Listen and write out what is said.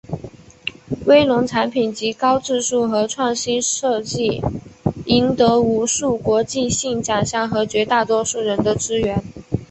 威龙产品籍高质素和创新设计赢得无数国际性奖项和绝大多数人的支援。